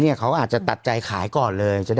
เขาอาจจะตัดใจขายก่อนเลย